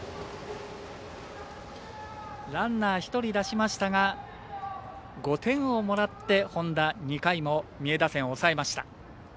ランナー１人出しましたが５点をもらって本田２回も三重打線を抑えました。